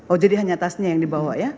oh jadi hanya tasnya yang dibawa ya